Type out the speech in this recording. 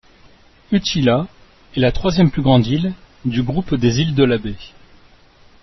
Útila est la troisième plus grande île du groupe des îles de la Baie.